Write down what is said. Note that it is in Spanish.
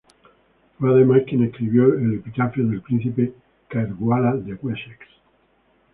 Fue, además, quien escribió el epitafio del príncipe Caedwalla de Wessex.